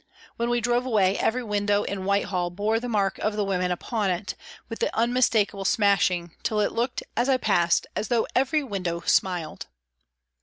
When we drove away, every window in Whitehall bore the mark of the women upon it, with the unmistakable smashing, till it looked, as I passed, as though every window smiled.